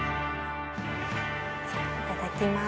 じゃいただきます。